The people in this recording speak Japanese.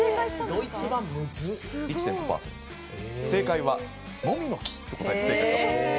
正解はモミの木と答えて正解したそうです。